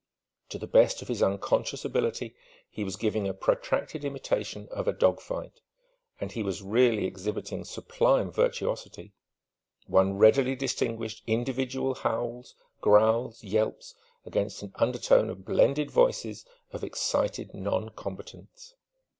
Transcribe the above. To the best of his unconscious ability he was giving a protracted imitation of a dog fight; and he was really exhibiting sublime virtuosity: one readily distinguished individual howls, growls, yelps, against an undertone of blended voices of excited non combatants...